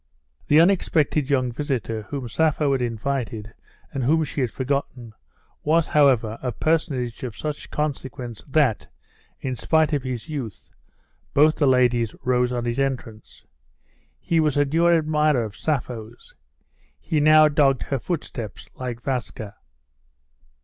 The unexpected young visitor, whom Sappho had invited, and whom she had forgotten, was, however, a personage of such consequence that, in spite of his youth, both the ladies rose on his entrance. He was a new admirer of Sappho's. He now dogged her footsteps, like Vaska.